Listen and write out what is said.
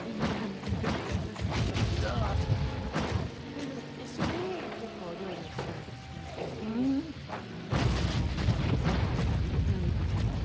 でも一緒に結構料理をしたりもしますし旦那も手伝ってくれたり最近。